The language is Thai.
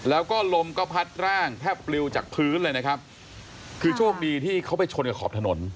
แล้วก็ลมก็พัดร่างแทบปลิวจากพื้นเลยนะครับคือโชคดีที่เขาไปชนกับขอบถนน